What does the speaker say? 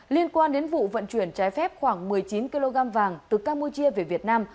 liên quan đến vụ vận chuyển trái phép khoảng một mươi chín kg vàng từ campuchia về việt nam